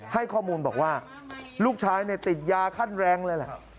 ให้ข้อมูลบอกว่าลูกชายติดยาขั้นแรกเลยแหละ